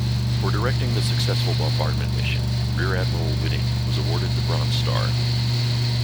For directing the successful bombardment mission, Rear Admiral Whiting was awarded the Bronze Star.